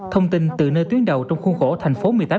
thông tin từ nơi tuyến đầu trong khuôn khổ thành phố một mươi tám